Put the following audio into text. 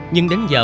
nhưng đến giờ